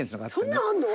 そんなのあるの？